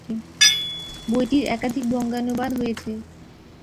বইটির একাধিক বঙ্গানুবাদ হয়েছে।